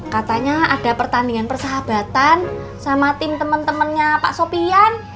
katanya ada pertandingan persahabatan sama tim temen temennya pak sofyan